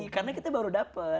karena kita baru dapat